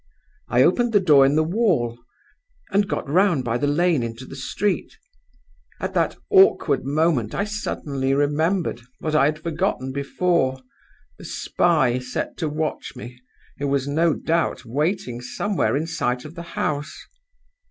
I opened the door in the wall, and got round by the lane into the street. At that awkward moment I suddenly remembered, what I had forgotten before, the spy set to watch me, who was, no doubt, waiting somewhere in sight of the house.